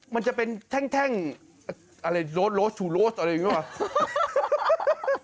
มันจะเป็นแท่งอะไรโรดชูโรสอะไรอย่างนี้หรือเปล่า